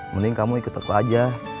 mending kamu ikut teku aja